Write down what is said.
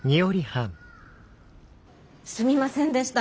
すみませんでした。